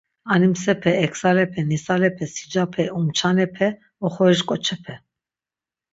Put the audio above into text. Animsepe, eksalepe, nisalepe, sicape, umçanepe, oxorişk̆oçepe...